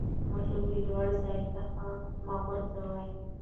ماشوم له لوړي ځای څخه مه غورځوئ.